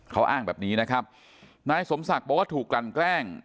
เขาอ้างแบบนี้นะครับนายสมศักดิ์บอกว่าถูกกลั่นแกล้ง